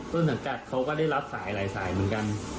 สังกัดเขาก็ได้รับสายหลายสายเหมือนกัน